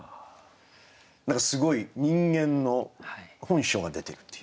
何かすごい人間の本性が出てるっていう。